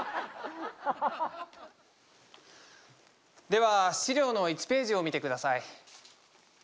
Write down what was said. では資料の１ページを見てください。